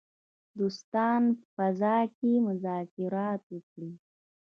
دوستانه فضا کې مذاکرات وکړي.